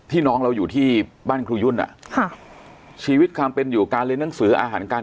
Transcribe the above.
น้องเราอยู่ที่บ้านครูยุ่นอ่ะค่ะชีวิตความเป็นอยู่การเรียนหนังสืออาหารการ